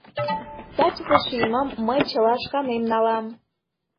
Тачысе шиймым мый чыла шканем налам.